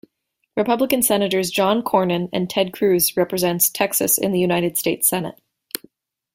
Republican Senators John Cornyn and Ted Cruz represents Texas in the United States Senate.